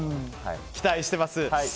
期待しています。